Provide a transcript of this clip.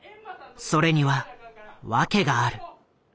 それには訳がある。